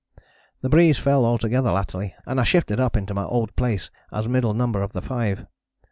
The breeze fell altogether latterly and I shifted up into my old place as middle number of the five.